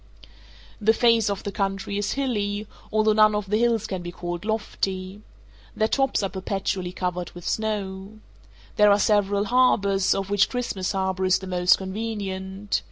The face of the country is hilly, although none of the hills can be called lofty. Their tops are perpetually covered with snow. There are several harbors, of which Christmas Harbour is the most convenient.